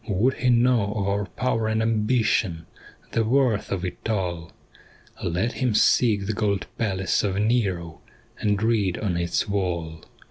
* Would he know of our power and ambition, The worth of it all ? Let him seek the gold palace of Nero, And read on its wall.